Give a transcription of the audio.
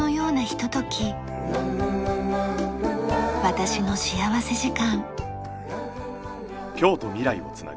『私の幸福時間』。